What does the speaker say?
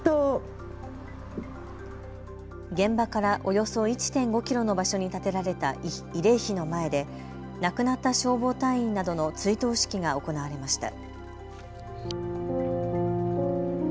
現場からおよそ１．５キロの場所に建てられた慰霊碑の前で亡くなった消防隊員などの追悼式が行われました。